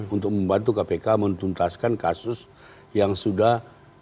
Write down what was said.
untuk membantu kpk menuntaskan kasus yang sudah